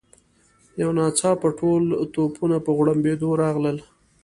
یو ناڅاپه ټول توپونه په غړمبېدو راغلل.